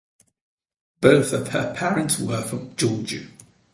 Both of her parents were from Georgia.